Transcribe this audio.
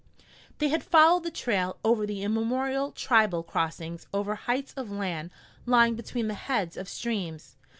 They had followed the trail over the immemorial tribal crossings over heights of land lying between the heads of streams.